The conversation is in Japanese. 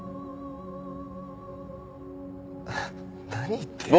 何言ってんだよ。